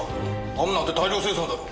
ガムなんて大量生産だろ。